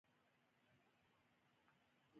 دوکاندار د الله رضا له هر څه غوره ګڼي.